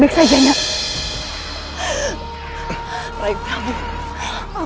biarkan aku mengobati kalian